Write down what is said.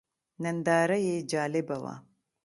ننداره یې جالبه وه.